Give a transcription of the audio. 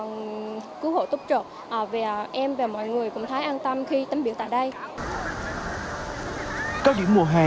em và mọi người cũng thấy an tâm khi tắm biển tại đây